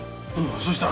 そしたら？